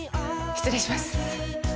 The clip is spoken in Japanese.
失礼します。